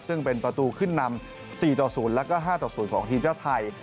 ซึ่งเป็นประตูขึ้นนำ๔ต่อ๐แล้วก็๕ต่อ๐ของทีมชาติไทย